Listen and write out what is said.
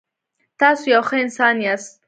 تاسو یو ښه انسان یاست.